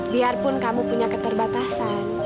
biarpun kamu punya keterbatasan